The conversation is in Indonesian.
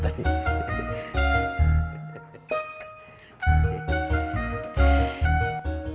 mak tadi udah hari apa waktunya